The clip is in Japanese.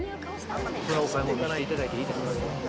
そのお買い物を見せていただいていいですか。